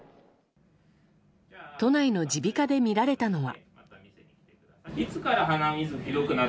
都内の耳鼻科で見られたのは。